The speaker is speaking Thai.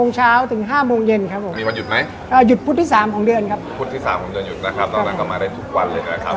โอเคโอเคมาอย่างไรต้องมาสีย่าน